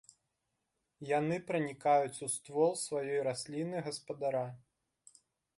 Яны пранікаюць у ствол сваёй расліны-гаспадара.